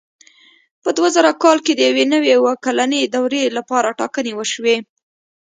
په دوه زره کال کې د یوې نوې اووه کلنې دورې لپاره ټاکنې وشوې.